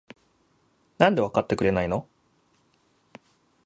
なんでわかってくれないの？？